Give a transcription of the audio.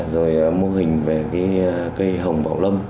rồi mô hình về cái cây hồng bảo lâm